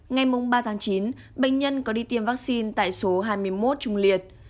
ngay mông ba tháng chín bệnh nhân có đi tiêm vaccine tại số hai mươi một trung liệt